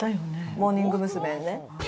モーニング娘。ね。